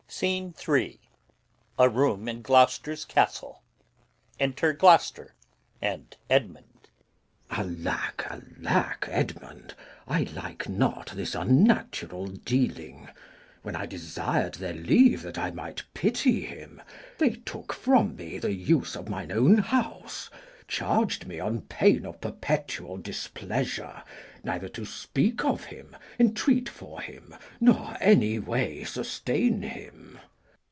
Scene III. Gloucester's Castle. Enter Gloucester and Edmund. Glou. Alack, alack, Edmund, I like not this unnatural dealing! When I desir'd their leave that I might pity him, they took from me the use of mine own house, charg'd me on pain of perpetual displeasure neither to speak of him, entreat for him, nor any way sustain him. Edm.